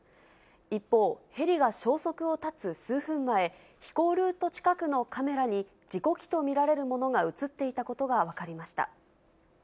一方、ヘリが消息を絶つ数分前、飛行ルート近くのカメラに事故機と見られるものが写っていたことが分かりました。